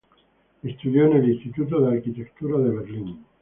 Estudió en el Instituto de Arquitectura de Berlín.